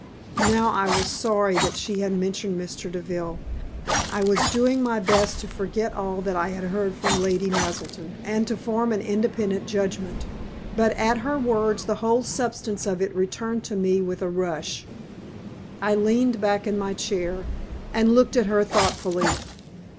Now I was sorry that she had mentioned Mr. Deville. I was doing my best to forget all that I had heard from Lady Naselton, and to form an independent judgment; but at her words the whole substance of it returned to me with a rush. I leaned back in my chair, and looked at her thoughtfully.